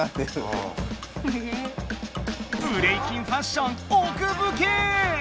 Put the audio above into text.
ブレイキンファッションおくぶけえ！